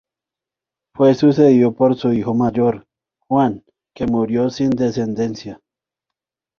Fue sucedido por su hijo mayor, Juan, que murió sin descendencia.